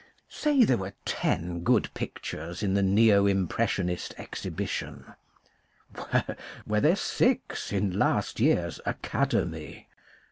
Say there were ten good pictures in the Neo Impres sionist exhibition, were there six in last year's academy?